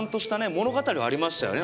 物語はありましたよね。